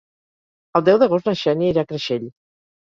El deu d'agost na Xènia irà a Creixell.